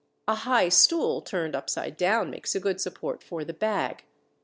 A high stool turned upside down makes a good support for the bag.